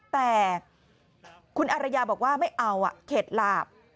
แต่คุณอารยาบอกว่าไม่เอาเข็ดหลาบ